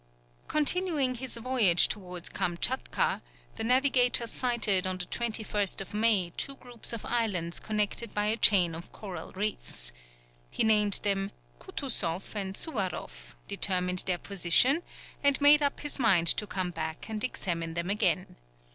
Continuing his voyage towards Kamtchatka, the navigator sighted on the 21st May two groups of islands connected by a chain of coral reefs. He named them Kutusoff and Suwaroff, determined their position, and made up his mind to come back and examine them again.